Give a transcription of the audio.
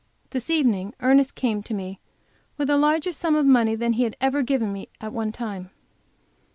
This evening Ernest came to me with a larger sum of money than he had ever given me at one time.